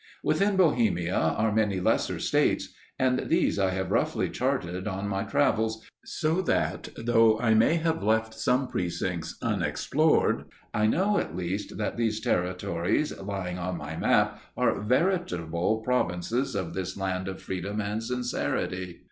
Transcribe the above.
Within Bohemia are many lesser states, and these I have roughly charted on my travels, so that, though I may have left some precincts unexplored, I know at least that these territories lying on my map are veritable provinces of this land of freedom and sincerity.